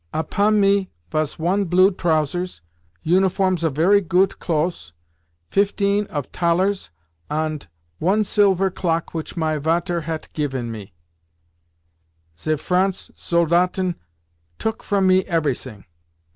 Upon me vas one blue trousers, uniforms of very goot clos, fifteen of Thalers, ant one silver clock which my Vater hat given me, Ze Frans Soldaten took from me everysing.